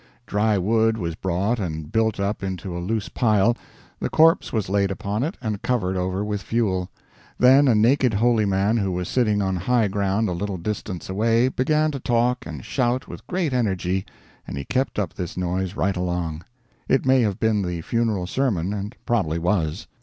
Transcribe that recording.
Dry wood was brought and built up into a loose pile; the corpse was laid upon it and covered over with fuel. Then a naked holy man who was sitting on high ground a little distance away began to talk and shout with great energy, and he kept up this noise right along. It may have been the funeral sermon, and probably was.